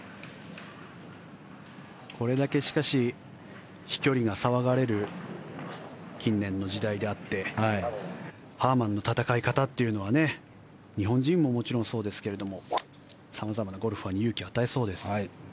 これだけ、しかし飛距離が騒がれる近年の時代であってハーマンの戦い方というのは日本人ももちろんそうですけど様々なゴルファーに勇気を与えそうです。